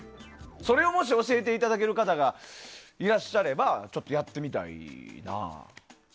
それをもし教えていただける方がいらっしゃればちょっとやってみたいな。